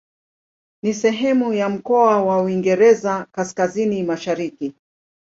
Ni sehemu ya mkoa wa Uingereza Kaskazini-Mashariki.